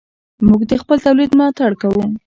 موږ د خپل تولید ملاتړ کوو.